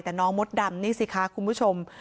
แต่น้องมดดำนี่สิคะคุณผู้ชม